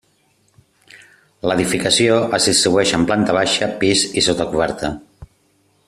L'edificació es distribueix en planta baixa, pis i sota coberta.